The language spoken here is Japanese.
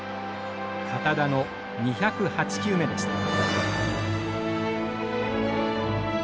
堅田の２０８球目でした。